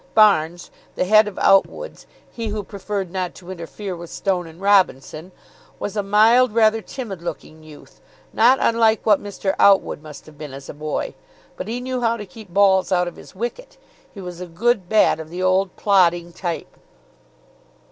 Barnes, the head of Outwood's, he who preferred not to interfere with Stone and Robinson, was a mild, rather timid looking youth not unlike what Mr. Outwood must have been as a boy but he knew how to keep balls out of his wicket. He was a good bat of the old plodding type.